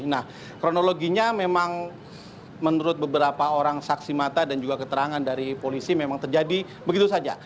nah kronologinya memang menurut beberapa orang saksi mata dan juga keterangan dari polisi memang terjadi begitu saja